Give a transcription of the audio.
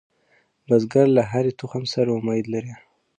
بزګر له هرې تخم سره امید لري